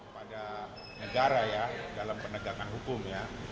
pada negara ya dalam penegakan hukum ya